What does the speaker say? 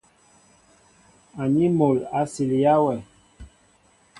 Aní mol a silya wɛ.